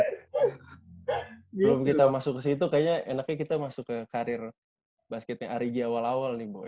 sebelum kita masuk ke situ kayaknya enaknya kita masuk ke karir basketnya arigi awal awal nih bu ya